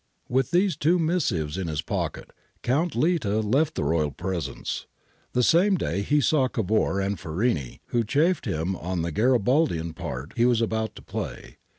With these two missives in his pocket, Count Litta left the royal presence. The same day he saw Cavour and Farini, who chaffed him on the ' Garibaldian part' he was about to play.